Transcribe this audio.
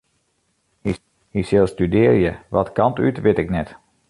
Hy sil studearje, wat kant út wit ik net.